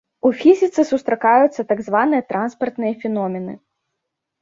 У фізіцы сустракаюцца так званыя транспартныя феномены.